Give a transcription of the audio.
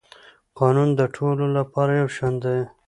قانون د ټولو لپاره یو شان دی.